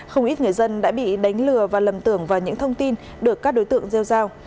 không ít người dân đã bị đánh lừa và lầm tưởng vào những thông tin được các đối tượng gieo giao